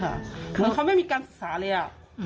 เหมือนเขาไม่มีการศึกษาเลยอะ